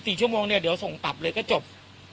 ๔ชั่วโมงเนี่ยเดี๋ยวส่งกลับเลยก็จบ